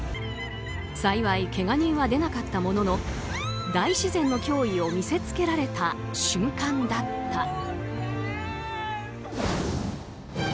幸い、けが人は出なかったものの大自然の驚異を見せつけられた瞬間だった。